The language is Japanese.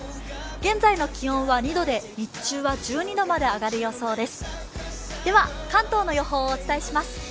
現在の気温は２度で日中は１２度まで上がる予想です。